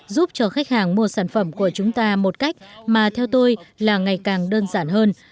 giúp cho khách hàng mua sản phẩm của chúng ta một cách mà theo tôi là ngày càng đơn giản hơn